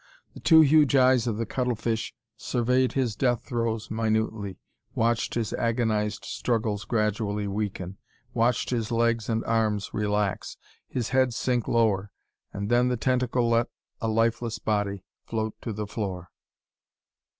The two huge eyes of the cuttlefish surveyed his death throes minutely; watched his agonized struggles gradually weaken; watched his legs and arms relax, his head sink lower.... And then the tentacle let a lifeless body float to the floor.